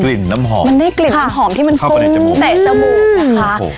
กลิ่นน้ำหอมมันได้กลิ่นน้ำหอมที่มันคงเตะจมูกนะคะ